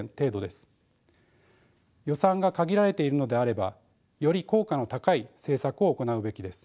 予算が限られているのであればより効果の高い政策を行うべきです。